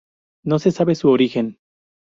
No se sabe su origen.